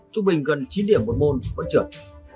trung bình gần chín điểm một môn vẫn trượt